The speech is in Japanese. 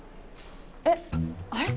えっあれ？